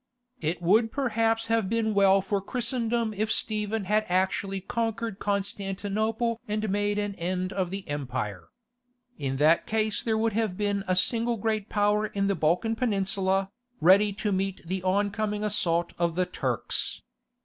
It would perhaps have been well for Christendom if Stephen had actually conquered Constantinople and made an end of the empire. In that case there would have been a single great power in the Balkan Peninsula, ready to meet the oncoming assault of the Turks.